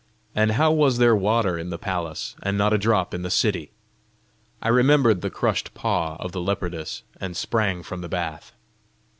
And how was there water in the palace, and not a drop in the city? I remembered the crushed paw of the leopardess, and sprang from the bath.